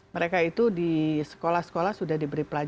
mereka itu di sekolah sekolah sudah diberi pelajaran